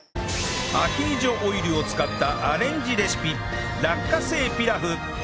アヒージョオイルを使ったアレンジレシピ落花生ピラフ